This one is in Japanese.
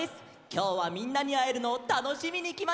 きょうはみんなにあえるのをたのしみにきました！